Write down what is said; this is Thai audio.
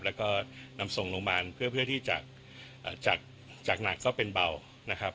แล้วก็นำส่งโรงพยาบาลเพื่อที่จะจากหนักก็เป็นเบานะครับ